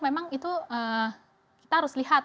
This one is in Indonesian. memang itu kita harus lihat